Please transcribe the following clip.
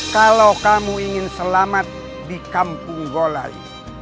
kalau kamu ingin selamat di kampung golai